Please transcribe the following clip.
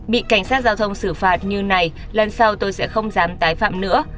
bị cảnh sát giao thông xử phạt như này lần sau tôi sẽ không dám tái phạm nữa